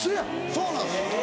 そうなんです。